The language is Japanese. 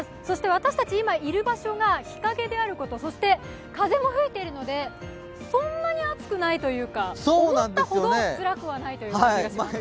私たちがいる場所が日陰であることそして風も吹いているので、そんなに暑くないというか、思ったほどつくらはないという感じがします。